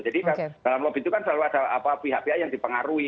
jadi kan dalam lobby itu kan selalu ada pihak pihak yang dipengaruhi